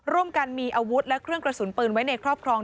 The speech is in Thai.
ร่วมกันมีอาวุธและเครื่องกระสุนปืนไว้ในครอบครอง